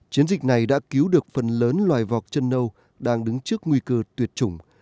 chiến dịch này đã cứu được phần lớn loài vọc chân nâu đang đứng trước nguy cơ tuyệt chủng